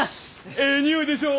えい匂いでしょう？